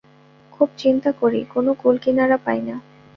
খুব চিন্তা করি, কোনো কুল-কিনারা পাই না।